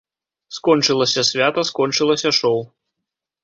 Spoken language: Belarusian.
Скончылася свята, скончылася шоў.